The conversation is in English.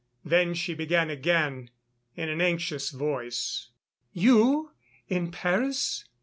Then she began again in an anxious voice: "You, in Paris!..."